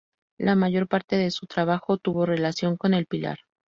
La mayor parte de su trabajo tuvo relación con El Pilar.